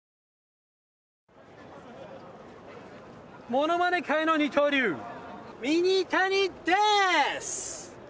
ものまね界の二刀流、ミニタニです。